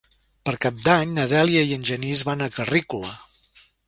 Per Cap d'Any na Dèlia i en Genís van a Carrícola.